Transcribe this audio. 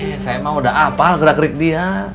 eh saya mau udah apal gerak gerik dia